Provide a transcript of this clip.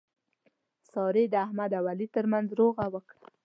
سارې د احمد او علي ترمنځ روغه وکړه.